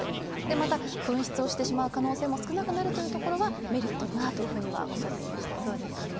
また、紛失をしてしまう可能性も少なくなるというところはメリットだなというふうにはおっしゃっていましたね。